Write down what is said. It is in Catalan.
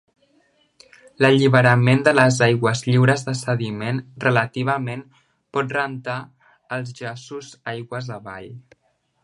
L'alliberament de les aigües lliures de sediments, relativament, pot rentar els jaços, aigües avall.